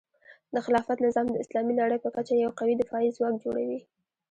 د خلافت نظام د اسلامي نړۍ په کچه یو قوي دفاعي ځواک جوړوي.